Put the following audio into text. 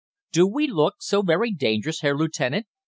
= "'Do we look so very dangerous, Herr Lieutenant?'